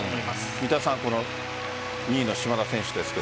三田さん２位の島田選手ですけど。